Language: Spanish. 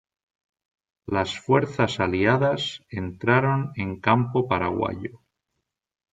Las fuerzas aliadas entraron en campo paraguayo.